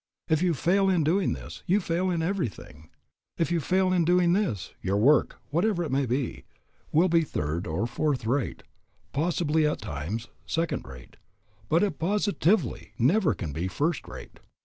If you fail in doing this, you fail in everything. If you fail in doing this, your work, whatever it may be, will be third or fourth rate, possibly at times second rate, but it positively never can be first rate.